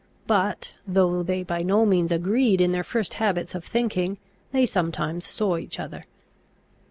But, though they by no means agreed in their habits of thinking, they sometimes saw each other.